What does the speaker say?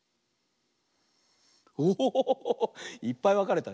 おおいっぱいわかれたね。